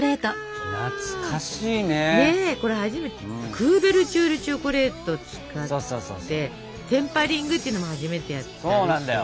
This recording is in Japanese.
クーベルチュールチョコレートを使ってテンパリングっていうのも初めてやったでしょ。